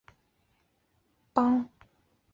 锡金现为印度人口最少的邦。